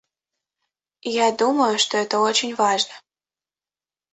Я думаю, что это очень важно.